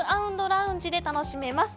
＆ラウンジで楽しめます。